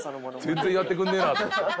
全然やってくんねえなと思って。